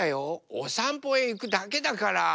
おさんぽへいくだけだから。